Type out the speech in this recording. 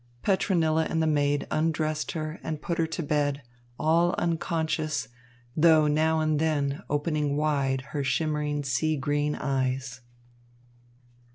Petronilla and the maid undressed her and put her to bed, all unconscious, though now and then opening wide her shimmering sea green eyes.